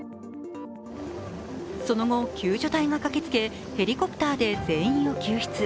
その後、救助隊が駆けつけ、ヘリコプターで全員を救出。